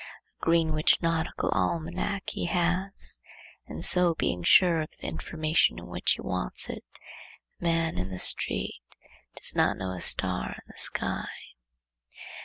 A Greenwich nautical almanac he has, and so being sure of the information when he wants it, the man in the street does not know a star in the sky.